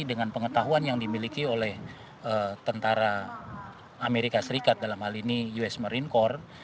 dengan pengetahuan yang dimiliki oleh tentara amerika serikat dalam hal ini us marine core